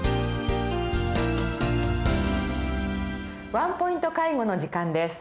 「ワンポイント介護」の時間です。